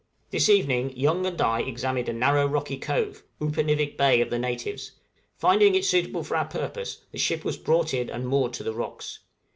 This evening Young and I examined a narrow rocky cove Upernivik Bay of the natives; finding it suitable for our purpose, the ship was brought in and moored to the rocks.